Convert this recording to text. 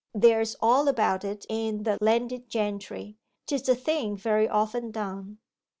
There's all about it in the "Landed Gentry." 'Tis a thing very often done.